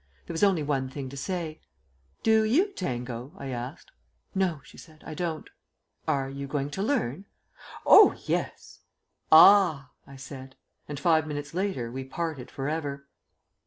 There was only one thing to say. "Do you tango?" I asked. "No," she said, "I don't." "Are you going to learn?" "Oh, yes!" "Ah!" I said; and five minutes later we parted for ever.